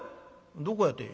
「どこやて？